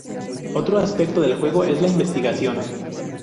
Otro aspecto del juego es la investigación.